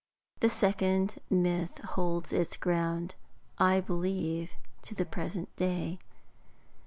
The second myth holds its ground, I believe, to the present day.